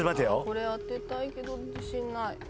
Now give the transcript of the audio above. これ当てたいけど自信ない。